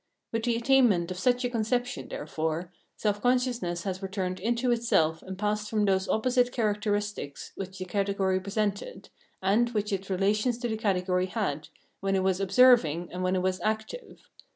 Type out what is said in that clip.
With the attainment of such a conception, therefore, self consciousness has returned into itself and passed from those opposite characteristics which the category presented, and which its relation to the category had, when it was " observing " and when it was " active."